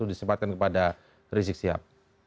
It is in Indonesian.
disempatkan kepada rizik sihab